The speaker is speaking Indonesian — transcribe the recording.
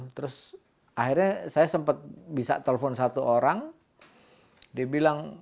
terus akhirnya saya sempat bisa telepon satu orang dia bilang